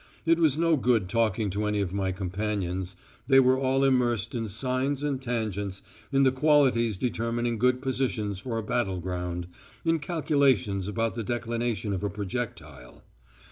It was no good talking to any of my companions; they were all immersed in sines and tangents, in the qualities determining good positions for a battle ground, in calculations about the declination of a projectile.